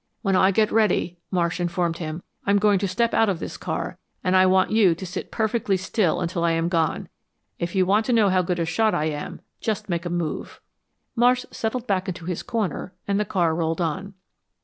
"When I get ready," Marsh informed him, "I'm going to step out of this car, and I want you to sit perfectly still until I am gone. If you want to know how good a shot I am, just make a move." Marsh settled back into his corner and the car rolled on.